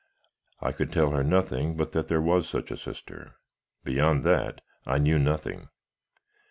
I could tell her nothing but that there was such a sister; beyond that, I knew nothing.